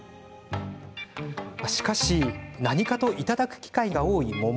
しかし、何かといただく機会が多い桃。